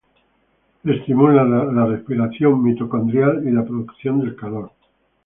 Estimulan la respiración mitocondrial y la producción de calor.